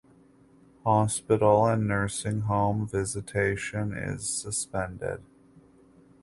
Hospital and Nursing Home visitation is suspended.